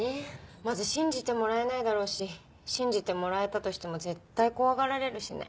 まず信じてもらえないだろうし信じてもらえたとしても絶対怖がられるしね。